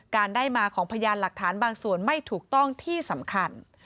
การได้มาของพยานหลักฐานบางส่วนไม่ถูกต้องที่สำคัญ